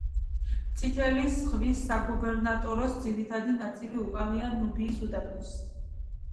წითელი ზღვის საგუბერნატოროს ძირითადი ნაწილი უკავია ნუბიის უდაბნოს.